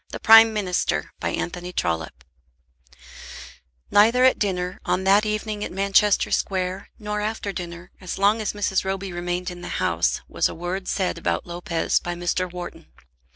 CHAPTER V "No One Knows Anything About Him" Neither at dinner, on that evening at Manchester Square, nor after dinner, as long as Mrs. Roby remained in the house, was a word said about Lopez by Mr. Wharton.